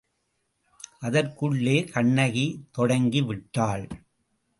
அதற்குள்ளே கண்ணகி தொடங்கிவிட்டாள்.